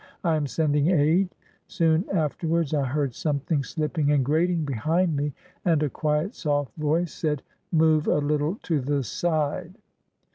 I am sending aid!" Soon after wards I heard something slipping and grating behind me, and a quiet, soft voice said: "Move a little to the side."